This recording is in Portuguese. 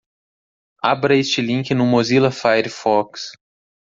Abra este link no Mozilla Firefox.